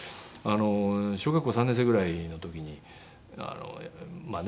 小学校３年生ぐらいの時にまあね